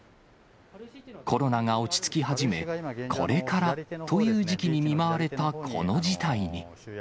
コロナが落ち着き始め、これからという時期に見舞われたこの事態に。